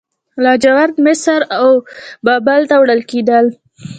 لاجورد مصر او بابل ته وړل کیدل